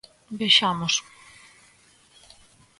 Vexamos.